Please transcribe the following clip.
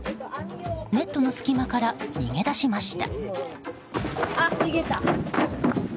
ネットの隙間から逃げ出しました。